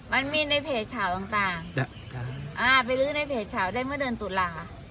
มันมีในเพจข่าวต่างไปลื้อในเพจข่าวได้เมื่อเดือนตุลา